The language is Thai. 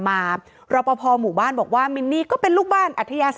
รับประพอบ์หมู่บ้านบอกว่ามินนี่ก็เป็นลูกบ้าน